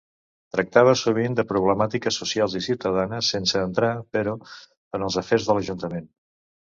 Tractava sovint de problemàtiques socials i ciutadanes, sense entrar, però, en els afers de l'Ajuntament.